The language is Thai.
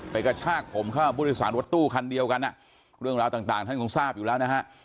ไปกับชาติผมเข้าบุริษัทรรศักดิ์ตู้คันเดียวกันน่ะเรื่องราวต่างต่างท่านคงทราบอยู่แล้วนะฮะ